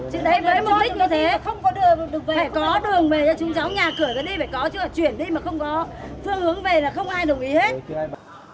chứ đấy với mục đích như thế phải có đường về cho chúng cháu nhà cửa đi phải có chứ chuyển đi mà không có phương hướng về là không ai đồng ý hết